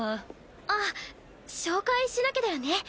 あっ紹介しなきゃだよね。